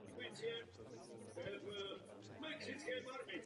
Udržuje u těla teplo.